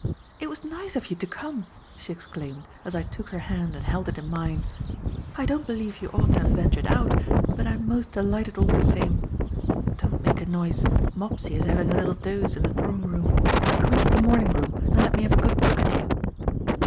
"It was nice of you to come!" she exclaimed, as I took her hand and held it in mine. "I don't believe you ought to have ventured out, but I am most delighted all the same. Don't make a noise; Mopsy is having a little doze in the drawing room. Come into the morning room and let me have a good look at you."